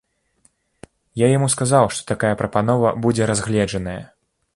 Я яму сказаў, што такая прапанова будзе разгледжаная!